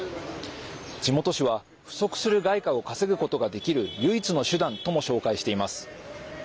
地元紙は、不足する外貨を稼ぐことができる唯一の手段とも紹介しています。